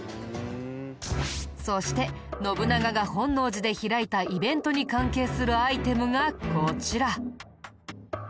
そして信長が本能寺で開いたイベントに関係するアイテムがこちら。